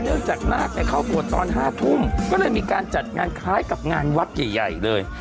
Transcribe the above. จากนาคเข้าบวชตอน๕ทุ่มก็เลยมีการจัดงานคล้ายกับงานวัดใหญ่เลย